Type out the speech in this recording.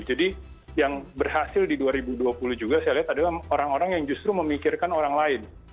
jadi yang berhasil di dua ribu dua puluh juga saya lihat adalah orang orang yang justru memikirkan orang lain